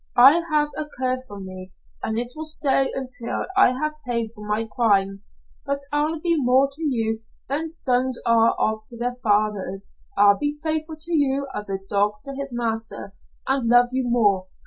I have a curse on me, and it will stay until I have paid for my crime. But I'll be more to you than sons are to their fathers. I'll be faithful to you as a dog to his master, and love you more.